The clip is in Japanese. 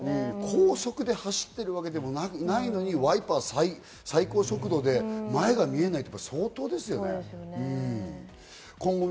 高速で走っているわけでもないのに、ワイパーを最高速度で前が見えないって相当ですよね。